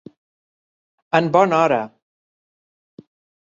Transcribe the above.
En bona hora.